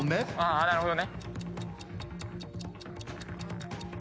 なるほどね。